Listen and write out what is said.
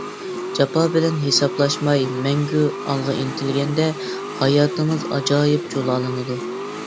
جاپا بىلەن ھېسابلاشماي، مەڭگۈ ئالغا ئىنتىلگەندە، ھاياتىڭىز ئاجايىپ جۇلالىنىدۇ.